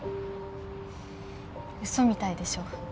嘘みたいでしょ？